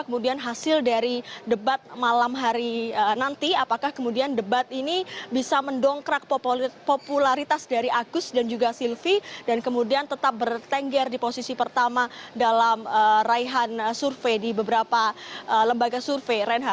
kemudian hasil dari debat malam hari nanti apakah kemudian debat ini bisa mendongkrak popularitas dari agus dan juga silvi dan kemudian tetap bertengger di posisi pertama dalam raihan survei di beberapa lembaga survei